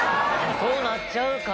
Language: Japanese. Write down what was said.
そうなっちゃうか。